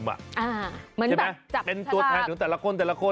เหมือนแบบจับฉลากใช่ไหมเป็นตัวแทนถึงแต่ละคนแต่ละคน